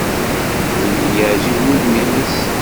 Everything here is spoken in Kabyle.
Ur iyi-yeɛjib wudem-nnes.